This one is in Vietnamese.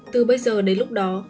từ bây giờ đến lúc đó